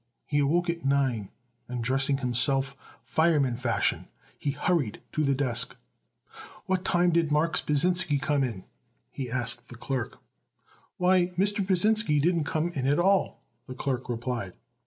He awoke at nine and, dressing himself fireman fashion, he hurried to the desk. "What time did Marks Pasinsky come in?" he asked the clerk. "Why, Mr. Pasinsky didn't come in at all," the clerk replied.